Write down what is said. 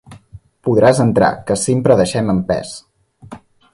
Podràs entrar, que sempre deixem empès.